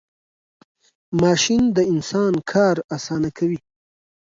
ماشین د انسان کار آسانه کوي .